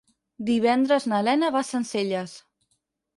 Divendres na Lena va a Sencelles.